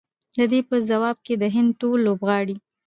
د دې په ځواب کې د هند ټول لوبغاړي